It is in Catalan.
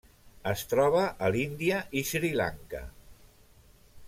Es troba a l'Índia i Sri Lanka.